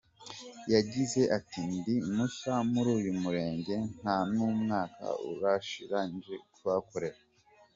Yagize ati “Ndi mushya muri uyu murenge nta n’umwaka urashira nje kuhakorera.